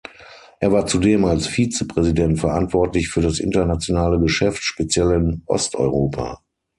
Er war zudem als Vize-Präsident verantwortlich für das internationale Geschäft, speziell in Osteuropa.